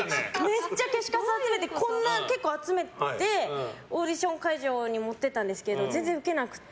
めっちゃ消しカスを集めてこんな結構集めてオーディション会場に持って行ったんですけど全然ウケなくて。